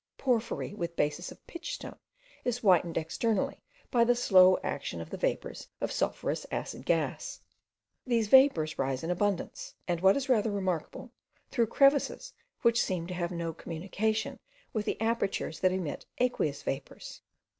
Porphyry, with basis of pitch stone, is whitened externally by the slow action of the vapours of sulphurous acid gas. These vapours rise in abundance; and what is rather remarkable, through crevices which seem to have no communication with the apertures that emit aqueous vapours.